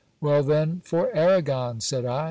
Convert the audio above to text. Well, then, for Arragon ! said I.